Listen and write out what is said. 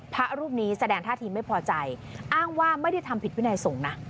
พระรูปนี้แสดงท่าทีไม่พอใจอ้างว่าไม่ได้ทำผิดวินัยสงฆ์นะ